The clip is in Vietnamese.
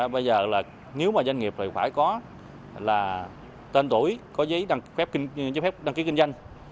bây giờ nếu doanh nghiệp phải có tên tuổi có giấy đăng ký kinh doanh